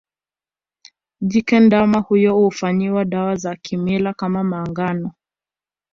Jike ndama huyo hufanyiwa dawa za kimila kama maagano